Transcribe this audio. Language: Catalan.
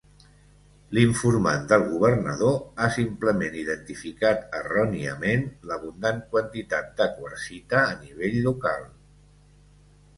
L'informant del Governador ha simplement identificat erròniament l'abundant quantitat de quarsita a nivell local.